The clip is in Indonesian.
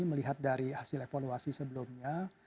melihat dari hasil evaluasi sebelumnya